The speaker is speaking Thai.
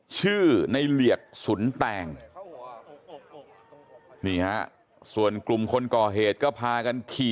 ชื่อในเหลียกสุนแตงนี่ฮะส่วนกลุ่มคนก่อเหตุก็พากันขี่